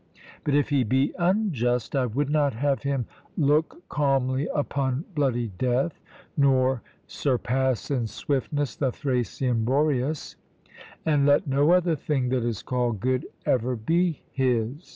But if he be unjust, I would not have him 'look calmly upon bloody death,' nor 'surpass in swiftness the Thracian Boreas;' and let no other thing that is called good ever be his.